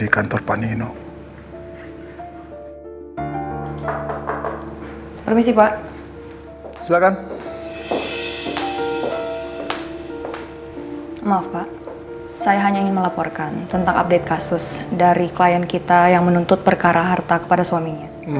kita ada kasus dari klien kita yang menuntut perkara harta kepada suaminya